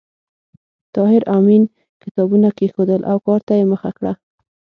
طاهر آمین کتابونه کېښودل او کار ته یې مخه کړه